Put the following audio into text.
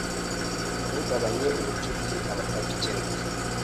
Ntugabanye ubucuti abatabukeneye